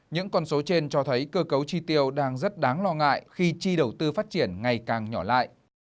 những con số trên cho thấy cơ cấu chi tiêu đang rất đáng lo ngại khi chi đầu tư phát triển ngày càng nhỏ lại